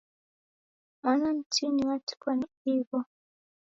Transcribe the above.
Mwana mtini watikwa ni igho.